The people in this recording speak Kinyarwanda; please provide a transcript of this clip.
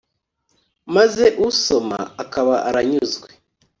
maze usoma akaba aranyuzwe